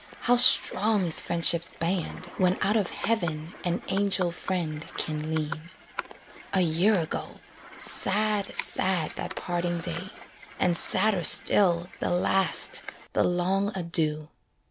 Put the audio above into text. how strong is friendship's band, When out of heaven an angel friend can lean. A year ago! sad, sad that parting day, And sadder still, the last, the long adieu.